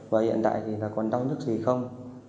và hiện tại còn đau nhất gì không